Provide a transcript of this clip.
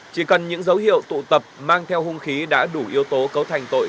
chỉ cần những dấu hiệu tụ tập mang theo hung khí đã đủ yếu tố cấu thành tội